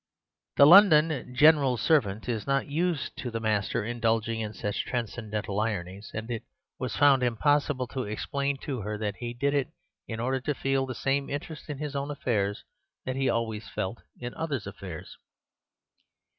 The London general servant is not used to the master indulging in such transcendental ironies. And it was found impossible to explain to her that he did it in order to feel the same interest in his own affairs that he always felt in other people's.